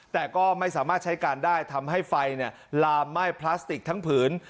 แต่ก็ไม่สามารถใช้การได้ทำให้ไฟลามไหม้พลาสติกทั้งผืน